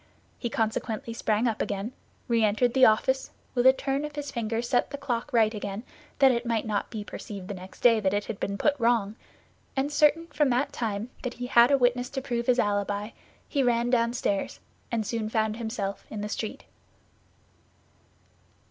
He consequently sprang up again, re entered the office, with a turn of his finger set the clock right again, that it might not be perceived the next day that it had been put wrong, and certain from that time that he had a witness to prove his alibi, he ran downstairs and soon found himself in the street.